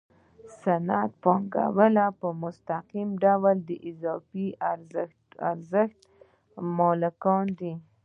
صنعتي پانګوال په مستقیم ډول د اضافي ارزښت مالکان دي